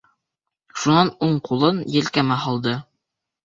Шунан уң ҡулын елкәмә һалды.